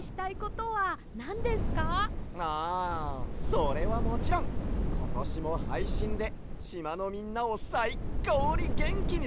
それはもちろんことしもはいしんでしまのみんなをさいこうにげんきにすることさ！